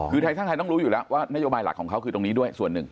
คือไทยสร้างไทยต้องรู้อยู่แล้วว่านโยบายหลักของเขาคือตรงนี้ด้วยส่วนหนึ่ง